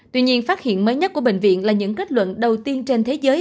tuy nhiên phát hiện mới nhất của bệnh viện là những kết luận đầu tiên trên thế giới